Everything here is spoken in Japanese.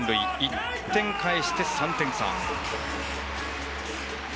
１点返して３点差。